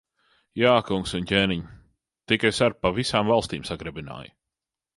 Jā, kungs un ķēniņ! Tik es ar pa visām valstīm sagrabināju.